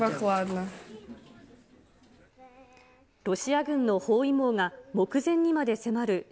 ロシア軍の包囲網が目前にまで迫る